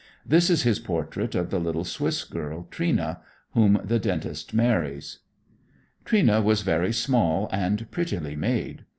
This is his portrait of the little Swiss girl, "Trina," whom the dentist marries: "Trina was very small and prettily made.